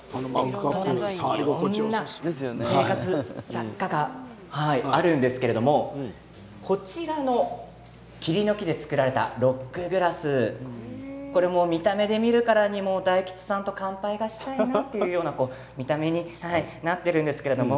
いろんな生活雑貨があるんですけれどもこちらの桐の木で作られたロックグラス見た目で見るからにも大吉さんと乾杯会したいなという見た目になっているんですけども。